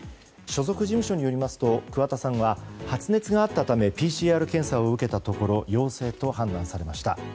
所属事務所によりますと桑田さんは発熱があったためＰＣＲ検査を受けたところ陽性と判断されました。